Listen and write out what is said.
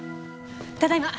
ただいま。